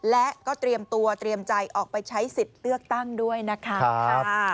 และก็เตรียมตัวเตรียมใจออกไปใช้สิทธิ์เลือกตั้งด้วยนะคะ